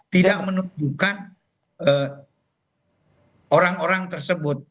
tidak menunjukkan orang orang tersebut